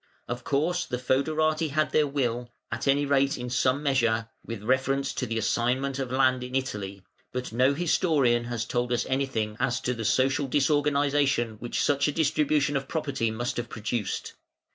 Of course the fœderati had their will, at any rate in some measure, with reference to the assignment of land in Italy, but no historian has told us anything as to the social disorganisation which such a redistribution of property must have produced.